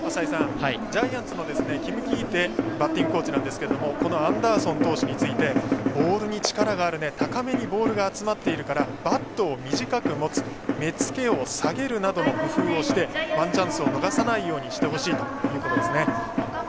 ジャイアンツの金バッティングコーチですがアンダーソン投手についてボールに力があるね高めにボールが集まっているから目付けをするなどの工夫をしてワンチャンスを逃さないようにしてほしいとのことです。